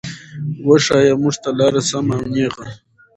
وښايه مونږ ته لاره سمه او نېغه